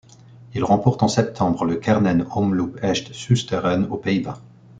Il remporte en septembre le Kernen Omloop Echt-Susteren, aux Pays-Bas.